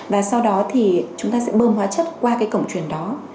và sau đó thì chúng ta sẽ bơm hóa chất qua cái cổng truyền đó